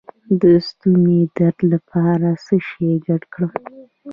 د ستوني درد لپاره څه شی ګډ کړم؟